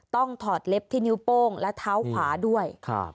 ถอดเล็บที่นิ้วโป้งและเท้าขวาด้วย